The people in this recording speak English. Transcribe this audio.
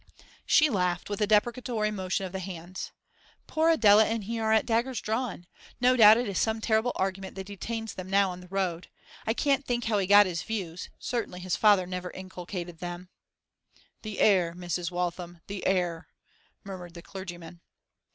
She laughed, with a deprecatory motion of the hands. 'Poor Adela and he are at daggers drawn; no doubt it is some terrible argument that detains them now on the road. I can't think how he got his views; certainly his father never inculcated them.' 'The air, Mrs. Waltham, the air,' murmured the clergyman.